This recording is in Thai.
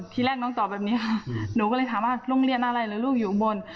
ทีแรกน้องตอบแบบนี้ค่ะหนูก็เลยถามว่าโรงเรียนอะไรหรือลูกอยู่ข้างบน